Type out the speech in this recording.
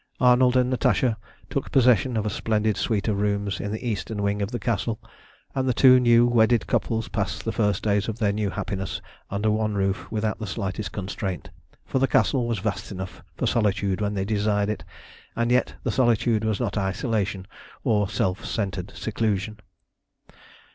Arnold and Natasha took possession of a splendid suite of rooms in the eastern wing of the Castle, and the two new wedded couples passed the first days of their new happiness under one roof without the slightest constraint; for the Castle was vast enough for solitude when they desired it, and yet the solitude was not isolation or self centred seclusion.